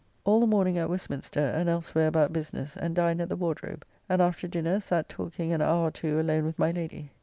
All the morning at Westminster and elsewhere about business, and dined at the Wardrobe; and after dinner, sat talking an hour or two alone with my Lady.